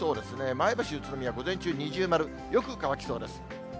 前橋、宇都宮、午前中二重丸、よく乾きそうです。